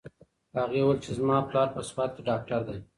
هغې وویل چې زما پلار په سوات کې ډاکټر دی.